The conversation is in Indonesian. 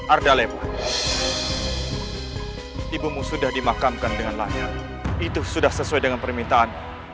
arda lemba ibumu sudah dimakamkan dengan layak itu sudah sesuai dengan permintaanmu